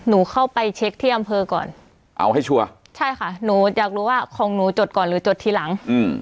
หนูเข้าไปเช็คที่อำเภอก่อนเอาให้ชัวร์ใช่ค่ะหนูอยากรู้ว่าของหนูจดก่อนหรือจดทีหลังอืม